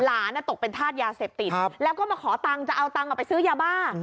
ตกเป็นธาตุยาเสพติดแล้วก็มาขอตังค์จะเอาตังค์ไปซื้อยาบ้า